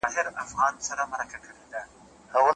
ما خو ویل چي مي لحد پر کندهار غواړمه